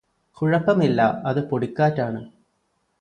കുഴപ്പമില്ല അത് പൊടിക്കാറ്റാണ്